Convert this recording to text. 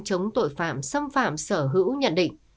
chống tội phạm xâm phạm sở hữu nhận định